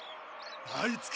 あいつか！